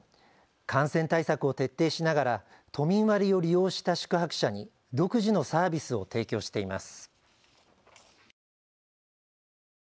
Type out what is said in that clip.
感染対策を徹底しながら都民割を利用した宿泊者に独自のサービスを提供しています。